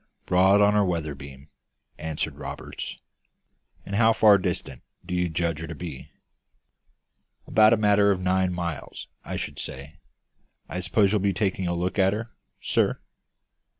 "Broad on our weather beam," answered Roberts. "And how far distant do you judge her to be?" "About a matter of nine miles, I should say. I suppose you'll be taking a look at her, sir?"